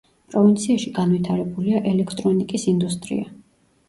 პროვინციაში განვითარებულია ელექტრონიკის ინდუსტრია.